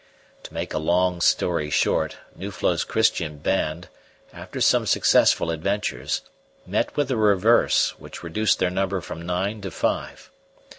To make a long story short, Nuflo's Christian band, after some successful adventures, met with a reverse which reduced their number from nine to five.